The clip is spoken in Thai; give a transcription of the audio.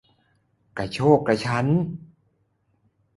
กระโชกกระชั้น